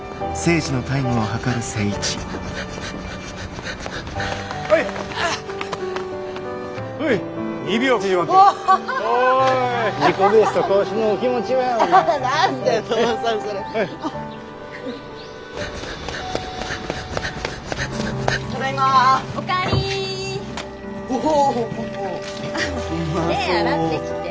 手ぇ洗ってきて。